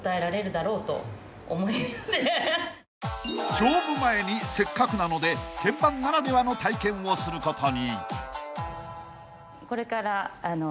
［勝負前にせっかくなので見番ならではの体験をすることに］